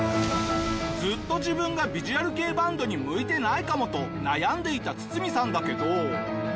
ずっと自分がヴィジュアル系バンドに向いてないかもと悩んでいたツツミさんだけど。